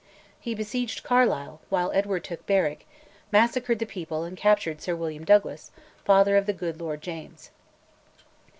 He besieged Carlisle, while Edward took Berwick, massacred the people, and captured Sir William Douglas, father of the good Lord James.